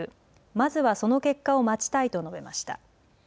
まずはその結果を待ちたいと述べました。